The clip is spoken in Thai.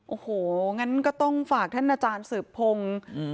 โอ้โหงั้นก็ต้องฝากท่านอาจารย์สืบพงศ์